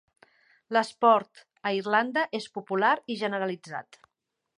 L'esport a Irlanda és popular i generalitzat.